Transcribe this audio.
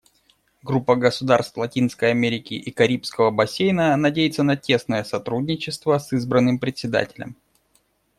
Группа государств Латинской Америки и Карибского бассейна надеется на тесное сотрудничество с избранным Председателем.